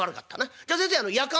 じゃ先生やかんは？」。